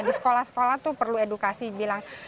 di sekolah sekolah tuh perlu edukasi bilang